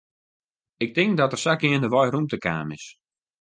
Ik tink dat der sa geandewei rûmte kaam is.